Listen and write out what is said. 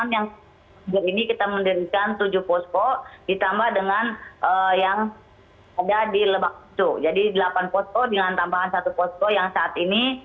yang hari ini kita mendirikan tujuh posko ditambah dengan yang ada di lebak itu jadi delapan posko dengan tambahan satu posko yang saat ini